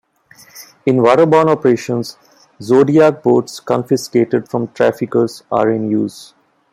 In waterborne operations, Zodiac boats confiscated from traffickers are in use.